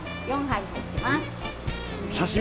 ４杯入ってます。